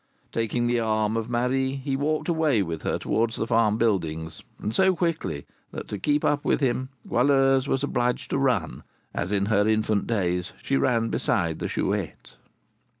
Taking the arm of Marie, he walked away with her towards the farm buildings, and so quickly, that, to keep up with him, Goualeuse was obliged to run, as in her infant days she ran beside the Chouette.